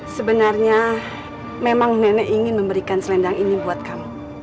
sebenarnya memang nenek ingin memberikan selendang ini buat kamu